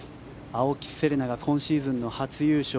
青木瀬令奈が今シーズンの初優勝。